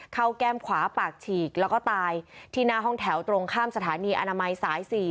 แก้มขวาปากฉีกแล้วก็ตายที่หน้าห้องแถวตรงข้ามสถานีอนามัยสาย๔